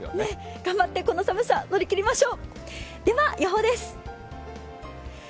頑張ってこの寒さ、乗り切りましょう。